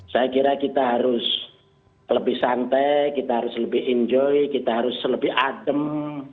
saya kira kita harus lebih santai kita harus lebih enjoy kita harus lebih adem